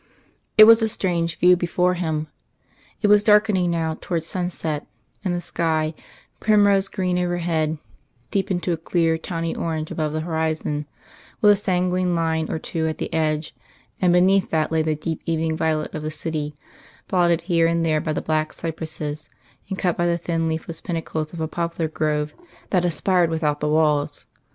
It was a strange view before him. It was darkening now towards sunset, and the sky, primrose green overhead, deepened to a clear tawny orange above the horizon, with a sanguine line or two at the edge, and beneath that lay the deep evening violet of the city, blotted here and there by the black of cypresses and cut by the thin leafless pinnacles of a poplar grove that aspired without the walls.